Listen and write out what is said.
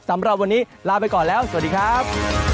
สำหรับวันนี้ลาไปก่อนแล้วสวัสดีครับ